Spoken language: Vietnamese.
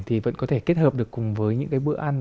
thì vẫn có thể kết hợp được cùng với những cái bữa ăn